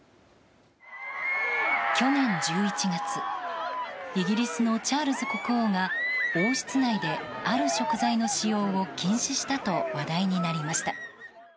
去年１１月イギリスのチャールズ国王が王室内で、ある食材の使用を禁止したと話題になりました。